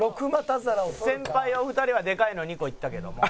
「先輩お二人はでかいの２個いったけども」